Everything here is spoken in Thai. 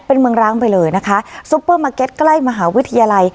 เป็นเมืองร้างไปเลยนะคะซุปเปอร์มาร์เก็ตใกล้มหาวิทยาลัย